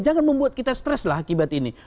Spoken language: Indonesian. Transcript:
jangan membuat kita stres lah akibat ini